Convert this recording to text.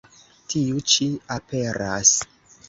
Tiu ĉi aperas.